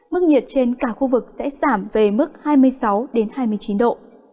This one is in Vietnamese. mức nhiệt trên cả khu vực sẽ giảm về mức hai mươi sáu hai mươi chín độ